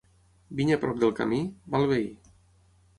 Vinya prop del camí? Mal veí.